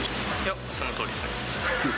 そのとおりですね。